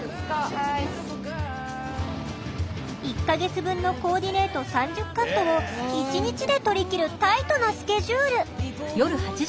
１か月分のコーディネート３０カットを一日で撮りきるタイトなスケジュール。